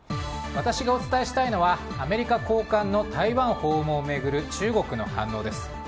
私がお伝えしたいのはアメリカ高官の台湾訪問を巡る中国の反応です。